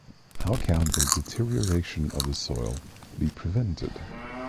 How can the deterioration of the soil be prevented?